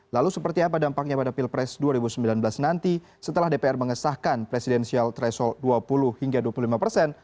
lalu seperti apa dampaknya pada pilpres dua ribu sembilan belas nanti setelah dpr mengesahkan presidensial threshold dua puluh hingga dua puluh lima persen